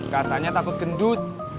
katanya takut gendut